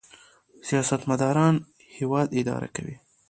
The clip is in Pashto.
سیاستمدار هیواد اداره کوي